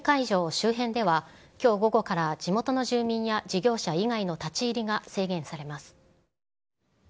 周辺では、きょう午後から地元の住民や事業者以外の立ち入りが制限されます。